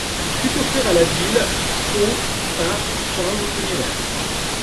Il fut offert à la ville au par Charles le Téméraire.